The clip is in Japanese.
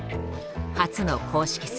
初の公式戦。